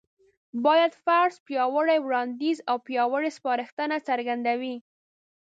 بايد: فرض، پياوړی وړانديځ او پياوړې سپارښتنه څرګندوي